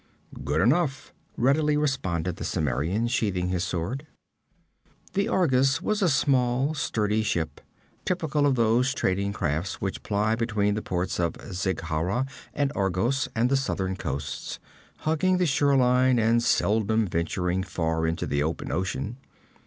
'Good enough,' readily responded the Cimmerian, sheathing his sword. The Argus was a small sturdy ship, typical of those trading craft which ply between the ports of Zingara and Argos and the southern coasts, hugging the shoreline and seldom venturing far into the open ocean.